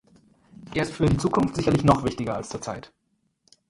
Er ist für die Zukunft sicherlich noch wichtiger als zur Zeit.